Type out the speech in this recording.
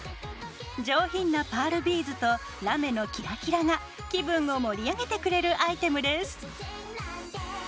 上品なパールビーズとラメのキラキラが気分を盛り上げてくれるアイテムです。